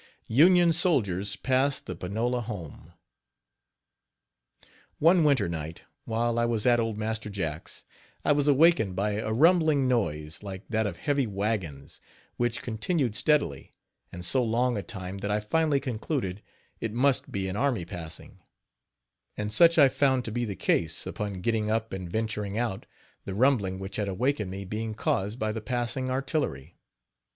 UNION SOLDIERS PASS THE PANOLA HOME. One winter night, while I was at old Master Jack's, I was awakened by a rumbling noise like that of heavy wagons, which continued steadily and so long a time that I finally concluded it must be an army passing, and such I found to be the case, upon getting up and venturing out, the rumbling which had awakened me being caused by the passing artillery.